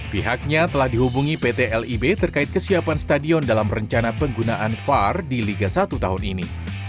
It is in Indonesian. pihaknya telah dihubungi pt lib terkait kesiapan stadion dalam rencana penggunaan var di liga satu tahun ini